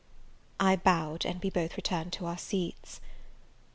I bowed, and we both returned to our seats.